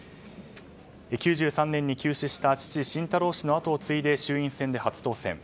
９３年に急死した晋太郎氏の跡を継いで衆院選で初当選。